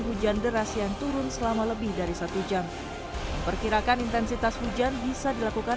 hujan deras yang turun selama lebih dari satu jam memperkirakan intensitas hujan bisa dilakukan